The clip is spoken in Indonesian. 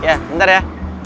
iya bentar ya